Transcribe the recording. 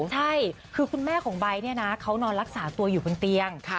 ใช่คือคุณแม่ของใบเนี่ยนะเขานอนรักษาตัวอยู่บนเตียง